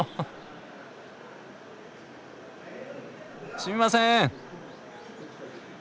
すみません。